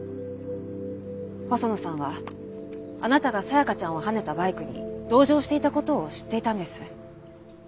細野さんはあなたが紗弥香ちゃんをはねたバイクに同乗していた事を知っていたんです。